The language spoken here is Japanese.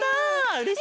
うれしい！